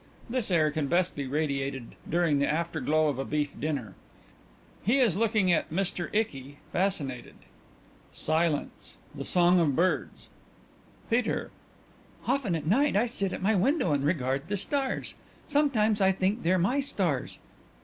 This air can best be radiated during the afterglow of a beef dinner. He is looking at_ MR. ICKY, fascinated. Silence. ... The song of birds. PETER: Often at night I sit at my window and regard the stars. Sometimes I think they're my stars....